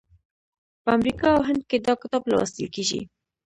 په امریکا او هند کې دا کتاب لوستل کیږي.